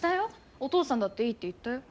お父さんだっていいって言ったよ。